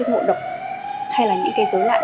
tích ngộ độc hay là những cái dối loạn